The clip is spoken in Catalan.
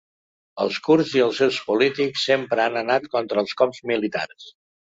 Els kurds i els seus polítics sempre han anat contra els cops militars.